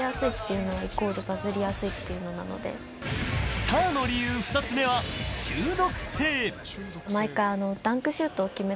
スターの理由、２つ目は中毒性。